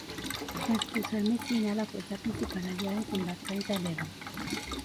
Tras cruzar Mesina, la fuerza principal aliada desembarca en Salerno.